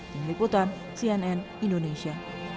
dihiputan cnn indonesia